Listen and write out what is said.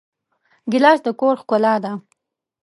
ګیلاس د کور ښکلا ده.